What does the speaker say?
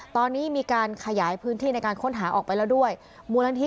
ตอนนี้มีการขยายพื้นที่ในการค้นหาออกไปแล้วด้วยมูลนิธิ